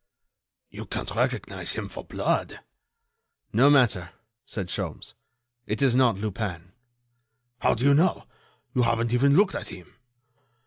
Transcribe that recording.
"You can't recognize him for blood." "No matter!" said Sholmes. "It is not Lupin." "How do you know? You haven't even looked at him."